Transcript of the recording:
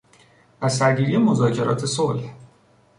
از سرگیری مذاکرات صلح